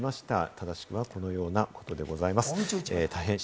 正しくはこのようなことでございます。